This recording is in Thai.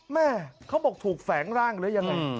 แม่เขาบอกถูกแฝงร่างหรือยังไง